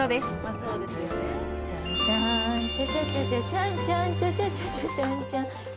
「ちゃんちゃんちゃちゃちゃちゃ」